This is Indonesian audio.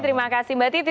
terima kasih mbak titi